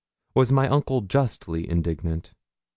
Was my uncle justly indignant?